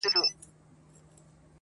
بیا هم نه مري